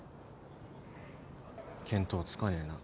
見当つかねえな。